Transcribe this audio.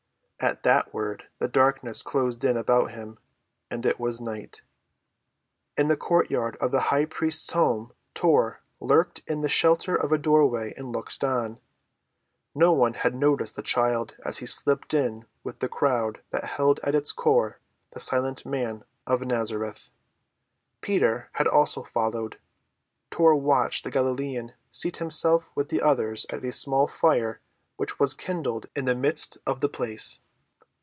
At that word the darkness closed in about him—and it was night. In the courtyard of the high priest's house Tor lurked in the shelter of a doorway and looked on. No one had noticed the child as he slipped in with the crowd that held at its core the silent Man of Nazareth. Peter had also followed. Tor watched the Galilean seat himself with the others at a small fire which was kindled in the midst of the place.